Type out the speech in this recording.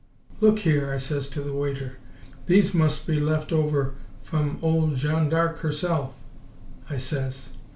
'Look here,' I says to the waiter, 'THESE must be'n left over f'm ole Jeanne d'Arc herself,' I says.